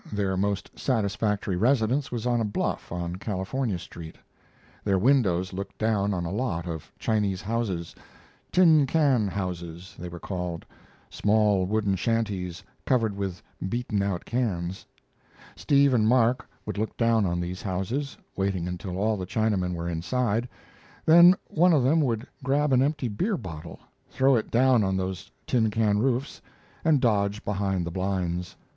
Their most satisfactory residence was on a bluff on California Street. Their windows looked down on a lot of Chinese houses "tin can houses," they were called small wooden shanties covered with beaten out cans. Steve and Mark would look down on these houses, waiting until all the Chinamen were inside; then one of them would grab an empty beer bottle, throw it down on those tin can roofs, and dodge behind the blinds.